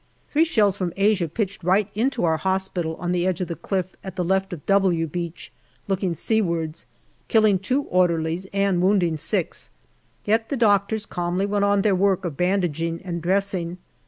Three shells from Asia pitched right into our hospital on the edge of the cliff on the left of " W " Beach looking seawards, killing two orderlies and wounding six, yet the doctors calmly went on with their work of bandaging and dressing.